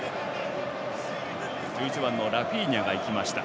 １１番のラフィーニャがいきました。